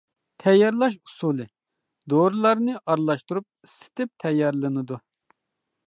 تەييارلاش ئۇسۇلى: دورىلارنى ئارىلاشتۇرۇپ ئىسسىتىپ تەييارلىنىدۇ.